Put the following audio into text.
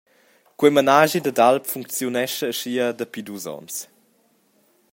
Quei menaschi dad alp funcziunescha aschia dapi dus onns.